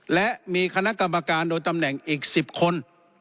และมีคณะกรรมการโดยตำแหน่งอีก๑๐คน